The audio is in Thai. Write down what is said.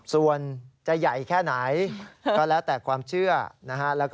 ส่วนจะใหญ่แค่ไหนก็แล้วแต่ความเชื่อนะฮะ